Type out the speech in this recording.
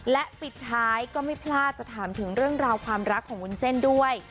และปิดท้ายก็ไม่พลาดจะถามถึงเรื่องราวความรักของวุ้นเส้นด้วย